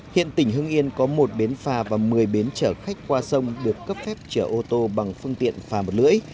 hiện tỉnh hưng yên có một bến phà và một mươi bến chở khách qua sông được cấp phép chở ô tô bằng phương tiện phà một lưỡi